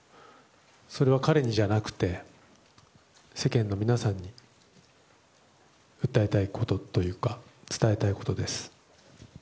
それは彼にじゃなくて世間の皆さんに訴えたいことというか伝えたいことです。